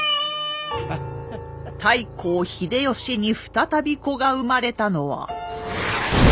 太閤秀吉に再び子が生まれたのは。